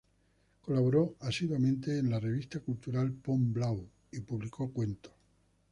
Colaboró asiduamente en la revista cultural "Pont Blau" y publicó cuentos.